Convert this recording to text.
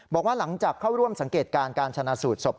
บอกว่าหลังจากเข้าร่วมสังเกตการณ์การชนะสูตรศพ